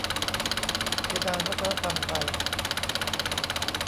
เพดานวัฒนธรรมไทย